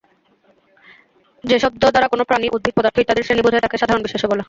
যে শব্দ দ্বারা কোন প্রাণী, উদ্ভিদ, পদার্থ ইত্যাদির শ্রেণী বোঝায় তাকে সাধারণ বিশেষ্য বলে।